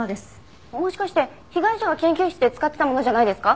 もしかして被害者の研究室で使っていたものじゃないですか？